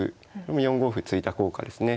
４五歩突いた効果ですね。